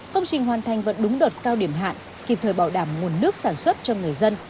công trình hoàn thành vẫn đúng đợt cao điểm hạn kịp thời bảo đảm nguồn nước sản xuất cho người dân